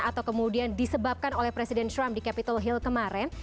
atau kemudian disebabkan oleh presiden trump di capitol hill kemarin